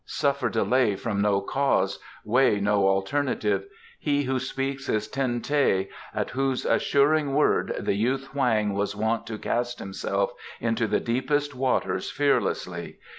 Suffer delay from no cause. Weigh no alternative. He who speaks is Ten teh, at whose assuring word the youth Hoang was wont to cast himself into the deepest waters fearlessly.